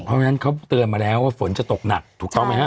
เพราะฉะนั้นเขาเตือนมาแล้วว่าฝนจะตกหนักถูกต้องไหมฮะ